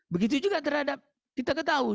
begitu juga terhadap kita ketahui